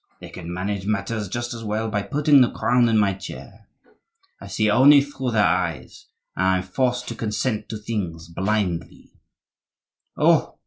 They could manage matters just as well by putting the crown in my chair; I see only through their eyes, and am forced to consent to things blindly." "Oh!